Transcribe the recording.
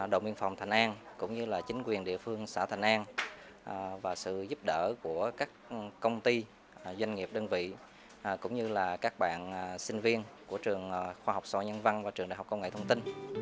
đội biên phòng tp hcm cũng như chính quyền địa phương tp hcm và sự giúp đỡ của các công ty doanh nghiệp đơn vị cũng như các bạn sinh viên của trường khoa học xã hội và nhân văn và trường đại học công nghệ thông tin